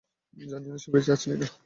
জানিনা সে বেঁচে আছে কিনা।